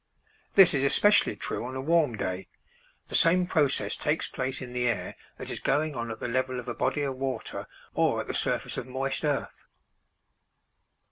This is especially true on a warm day; the same process takes place in the air that is going on at the level of a body of water or at the surface of moist earth.